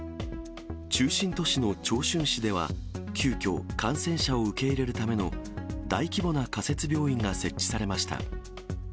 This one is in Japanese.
中心都市の長春市では、急きょ、感染者を受け入れるための大規模な仮設病院が設置されました。